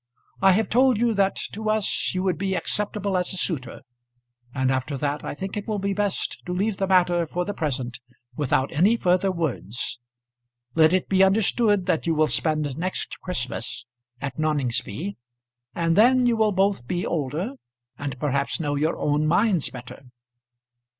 I have told you that to us you would be acceptable as a suitor; and after that I think it will be best to leave the matter for the present without any further words. Let it be understood that you will spend next Christmas at Noningsby, and then you will both be older and perhaps know your own minds better."